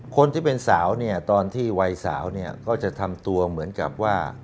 คนที่เป็นสาวเนี่ยตอนที่วัยสาวเนี่ยก็จะทำตัวเหมือนกับว่า